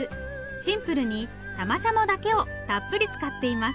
シンプルにタマシャモだけをたっぷり使っています。